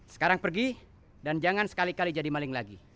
sekarang pergi dan jangan sekali kali jadi maling lagi